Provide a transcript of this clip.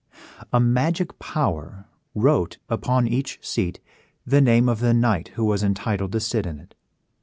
A magic power wrote upon each seat the name of the knight who was entitled to sit in it.